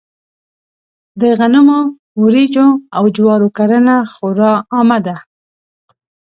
د غنمو، وريجو او جوارو کرنه خورا عامه ده.